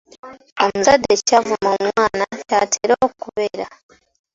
Omuzadde ky’avuma omwana ky’atera okubeera.